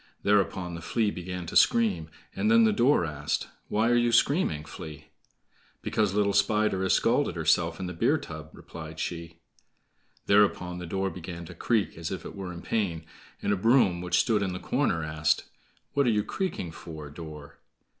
Thereupon the Flea began to scream. And then the door asked: "Why are you screaming, Flea?" "Because little Spider has scalded herself in the beer tub," replied she. Thereupon the door began to creak as if it were in pain; and a broom, which stood in the corner, asked, "What are you creaking for, door?"